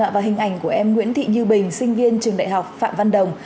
và hình ảnh của em nguyễn thị như bình sinh viên trường đại học phạm văn đồng